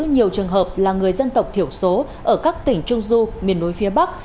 nhiều trường hợp là người dân tộc thiểu số ở các tỉnh trung du miền núi phía bắc